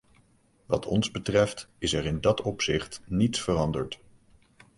Wat ons betreft, is er in dat opzicht niets veranderd.